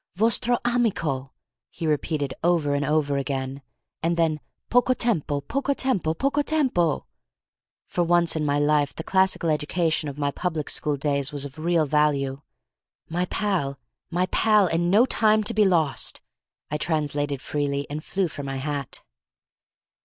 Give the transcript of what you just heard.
"Vostro amico," he repeated over and over again; and then, "Poco tempo, poco tempo, poco tempo!" For once in my life the classical education of my public school days was of real value. "My pal, my pal, and no time to be lost!" I translated freely, and flew for my hat.